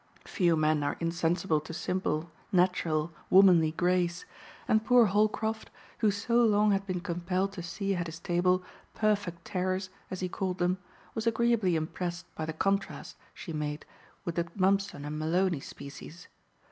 Few men are insensible to simple, natural, womanly grace, and poor Holcroft, who so long had been compelled to see at his table "perfect terrors," as he called them, was agreeably impressed by the contrast she made with the Mumpson and Malony species.